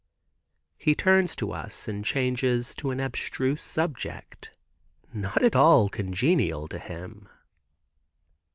He turns to us and changes to an abstruse subject, not at all congenial to him.